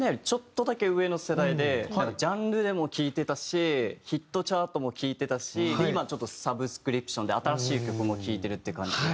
ジャンルでも聴いてたしヒットチャートも聴いてたし今ちょっとサブスクリプションで新しい曲も聴いてるっていう感じ。